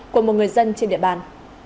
của một người dân trên địa bàn